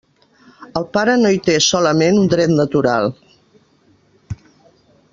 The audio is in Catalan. El pare no hi té solament un dret natural.